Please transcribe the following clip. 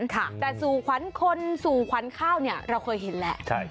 แต่สู่ขวัญคนสู่ขวัญข้าวเนี่ยเราเคยเห็นแหละ